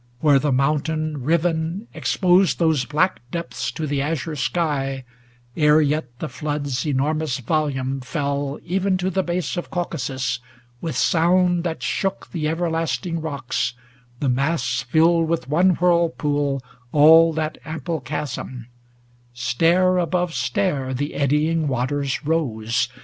Where the moun tain, riven. Exposed those black depths to the azure sky, Ere yet the flood's enormous volume fell Even to the base of Caucasus, with sound That shook the everlasting rocks, the mass Filled with one whirlpool all that ample chasm; 379 Stair above stair the eddying waters rose.